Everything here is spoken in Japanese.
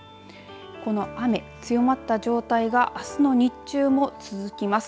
この雨、強まった状態があすの日中も続きます。